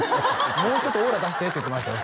もうちょっとオーラ出してって言ってましたよ